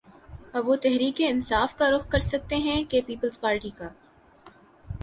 اب وہ تحریک انصاف کا رخ کر سکتے ہیں کہ پیپلز پارٹی کا